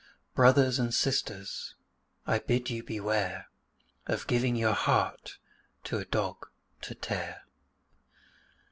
Brothers and sisters, I bid you beware Of giving your heart to a dog to tear.